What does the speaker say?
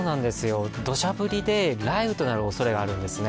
どしゃ降りで雷雨となるおそれがあるんですね